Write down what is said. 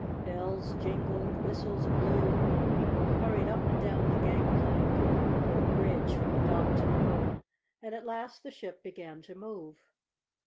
Bells jingled, whistles blew, people hurried up and down the gangplank, or bridge from the dock to the boat, and at last the ship began to move.